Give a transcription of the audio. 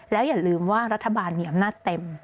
แล้วอย่าลืมว่ารัฐบาลมีอำนาจเต็ม